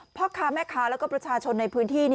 พ่อค้าแม่ค้าแล้วก็ประชาชนในพื้นที่